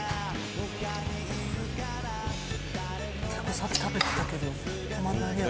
さっき食べてたけど止まんないね。